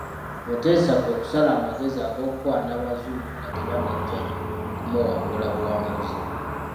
Mutesa kwe kusala amagezi ag'okukwana Abazungu nga tebannajja kumuwangula buwanguzi.